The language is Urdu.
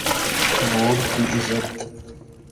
ووٹ کی عزت۔